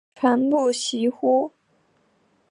传不习乎？